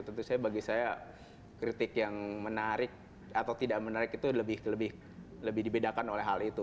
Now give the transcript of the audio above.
tentu saja bagi saya kritik yang menarik atau tidak menarik itu lebih dibedakan oleh hal itu